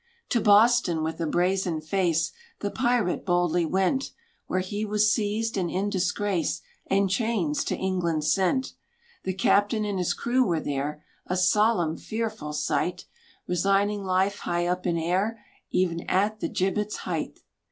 To Boston, with a brazen face, The pirate boldly went, Where he was seized; and in disgrace And chains, to England sent. The captain and his crew were there, A solemn, fearful sight; Resigning life high up in air, E'en at the gibbet's height!